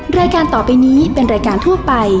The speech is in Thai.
รายการต่อไปนี้เป็นรายการทั่วไป